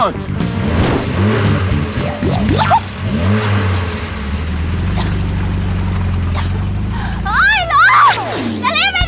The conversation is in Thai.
เชื่อฉัน